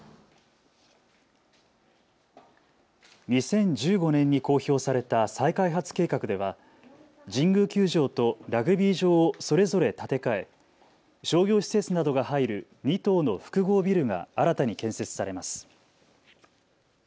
２０１５年に公表された再開発計画では神宮球場とラグビー場をそれぞれ建て替え商業施設などが入る２棟の複合ビルが新たに建設されます。